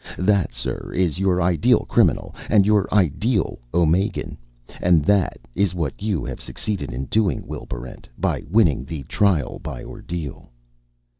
That, sir, is your ideal criminal and your ideal Omegan. And that is what you have succeeded in doing, Will Barrent, by winning the Trial by Ordeal."